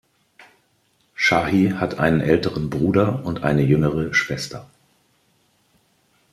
Shahi hat einen älteren Bruder und eine jüngere Schwester.